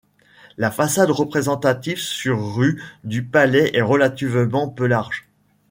La façade représentative sur rue du palais est relativement peu large.